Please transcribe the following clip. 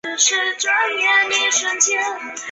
赠台州刺史。